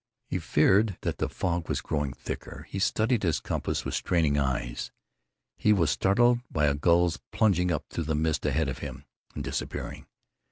He feared that the fog was growing thicker. He studied his compass with straining eyes. He was startled by a gull's plunging up through the mist ahead of him, and disappearing.